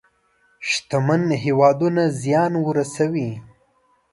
شتمن هېوادونه زيان ورسوي.